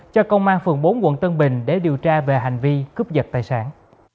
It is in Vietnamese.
cho công an phường bốn quận tân bình để điều tra về hành vi cướp giật tài sản